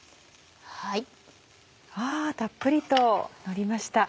たっぷりとのりました。